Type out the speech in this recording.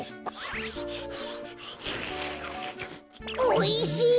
おいしい！